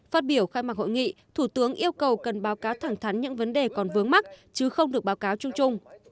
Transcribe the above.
phát biểu khai mạc hội nghị thủ tướng yêu cầu cần báo cáo thẳng thắn những vấn đề còn vướng mắt chứ không được báo cáo chung chung